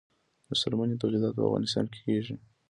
د څرمنې تولیدات په افغانستان کې کیږي